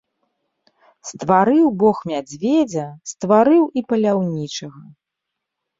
Стварыў бог мядзведзя, стварыў і паляўнічага.